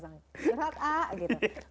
curhat ah gitu